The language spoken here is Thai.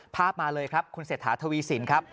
ภาพมาเลยครับคุณเสถาธวีสินครับ